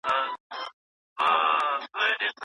نن د شمعی لمبې تللي له نصیب د پراونه دي